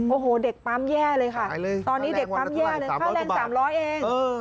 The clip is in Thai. โอ้โหเด็กปั๊มแย่เลยค่ะตอนนี้เด็กปั๊มแย่เลยค่าแรงสามร้อยกว่าบาทค่าแรงสามร้อยเองเออ